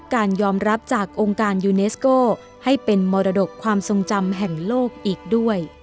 การยอมรับจากองค์การยูเนสโก้ให้เป็นมรดกความทรงจำแห่งโลกอีกด้วย